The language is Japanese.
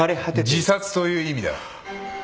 自殺という意味だ。